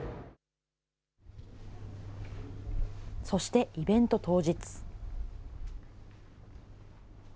そしてイベント当日。